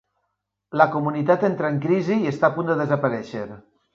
La comunitat entra en crisi i està a punt de desaparèixer.